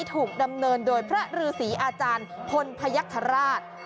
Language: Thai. ถูกดำเนินโดยพระฤษีอาจารย์พลพยักษราช